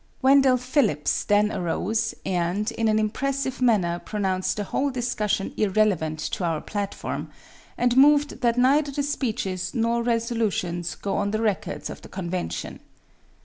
Wendell Phillips then arose, and, in an impressive manner pronounced the whole discussion irrelevant to our platform, and moved that neither the speeches nor resolutions go on the records of the convention.